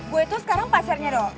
gue itu sekarang pacarnya dong